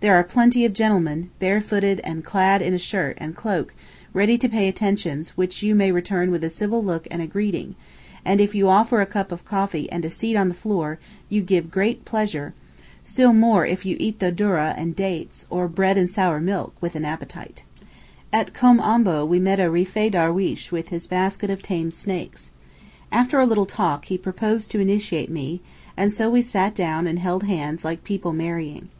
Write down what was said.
There are plenty of 'gentlemen' barefooted and clad in a shirt and cloak ready to pay attentions which you may return with a civil look and greeting, and if you offer a cup of coffee and a seat on the floor you give great pleasure, still more if you eat the dourah and dates, or bread and sour milk with an appetite. At Koom Ombo we met a Rifaee darweesh with his basket of tame snakes. After a little talk he proposed to initiate me, and so we sat down and held hands like people marrying.